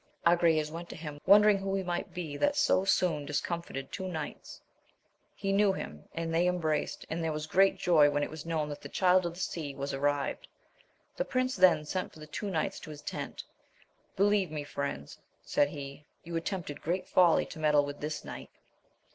Agrayes went to meet him, wondering who he might be that had so soon discomfited two knights, he knew him, and they embraced,,and there was great joy when it was known that the Child of the Sea was arrived. The prince then sent for the two knights to his tent. Believe me, friends, said he, you attempted great folly to meddle with this knight.